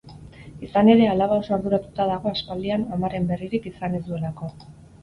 Izan ere, alaba oso arduratuta dago aspaldian amaren berririk izan ez duelako.